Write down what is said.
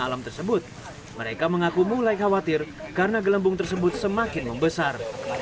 alam tersebut mereka mengaku mulai khawatir karena gelembung tersebut semakin membesar